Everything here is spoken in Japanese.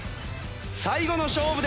最後の勝負です。